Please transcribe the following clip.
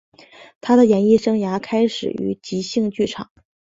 他的演艺生涯开始于即兴剧场。